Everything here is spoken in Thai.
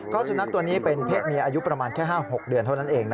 สุนัขตัวนี้เป็นเพศเมียอายุประมาณแค่๕๖เดือนเท่านั้นเอง